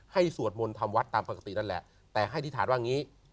สวดมนต์ทำวัดตามปกตินั่นแหละแต่ให้อธิษฐานว่างี้